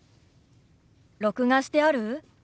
録画してある？